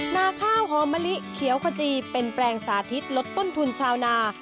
นาข้าวหอมมะลิเขียวขจีเป็นแปลงสาธิตลดต้นทุนชาวนา